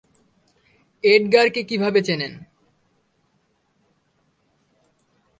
এডগারকে কীভাবে চেনেন?